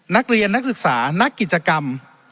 นักเรียนนักศึกษานักกิจกรรม